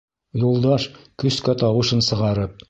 Юлдаш, көскә тауышын сығарып: